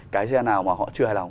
cái xe nào mà họ chưa hài lòng